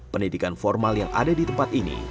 pendidikan formal yang ada di tempat ini